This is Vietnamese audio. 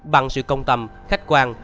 bằng sự công tâm khách quan